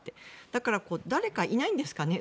だから誰か、いないんですかね。